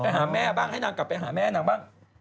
หาแม่บ้างให้นางกลับไปหาแม่นางบ้าง